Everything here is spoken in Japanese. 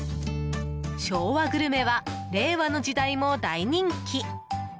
昭和グルメは令和の時代も大人気。